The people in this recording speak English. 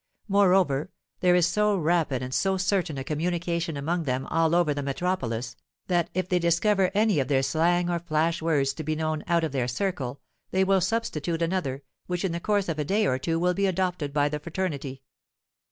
Moreover, there is so rapid and so certain a communication among them all over the metropolis, that if they discover any of their slang or flash words to be known out of their circle, they will substitute another, which in the course of a day or two will be adopted by the fraternity.